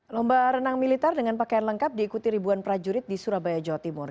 lomba renang militer dengan pakaian lengkap diikuti ribuan prajurit di surabaya jawa timur